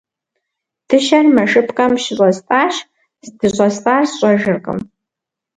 Дыщэр мэшыпкъэм щыщӏэстӏащ, здыщӏэстӏар сщӏэжыркъым.